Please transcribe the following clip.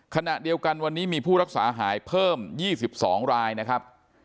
ขณะเดียวกันวันนี้มีผู้รักษาหายเพิ่ม๒๒รายนะครับ